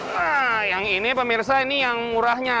nah yang ini pak mirsa ini yang murahnya